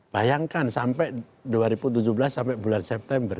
bayangkan sampai dua ribu tujuh belas sampai bulan september